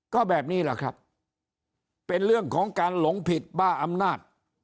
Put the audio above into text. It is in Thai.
ก็แบบนี้แหละครับเป็นเรื่องของการหลงผิดบ้าอำนาจ